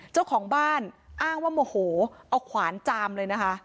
เจ้าของบ้านอ้างว่าโมโหเอาขวานจามเลยนะคะ